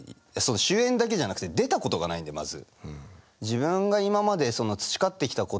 主演だけじゃなくて出たことがないんでまず。